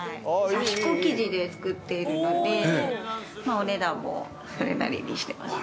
刺し子生地で作っているのでお値段もそれなりにしてますね。